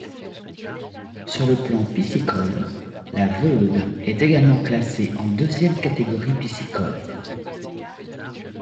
Sur le plan piscicole, la Veude est également classée en deuxième catégorie piscicole.